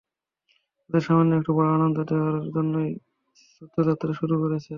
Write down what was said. ওদের সামান্য একটু পড়ার আনন্দ দেওয়ার জন্যই শ্রুত যাত্রা শুরু করেছে।